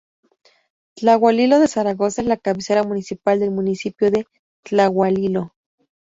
Tlahualilo de Zaragoza es la cabecera municipal del municipio de Tlahualilo.